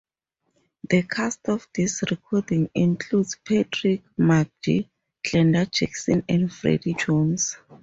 The cast of this recording includes Patrick Magee, Glenda Jackson and Freddie Jones.